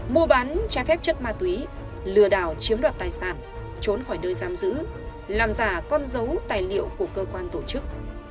mua bán trái phép chất ma túy lừa đảo chiếm đoạt tài sản trốn khỏi nơi giam giữ làm giả con dấu tài liệu của cơ quan tổ chức